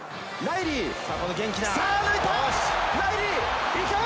ライリー、行け！